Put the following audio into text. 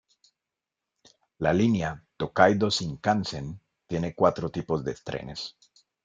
La línea Tōkaidō Shinkansen tiene cuatro tipos de trenes.